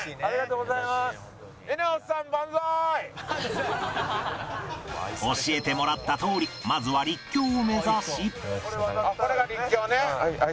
「バンザイ」教えてもらったとおりまずは陸橋を目指し